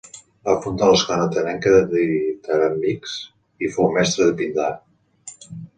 Va fundar l'escola atenenca de ditiràmbics i fou mestre de Píndar.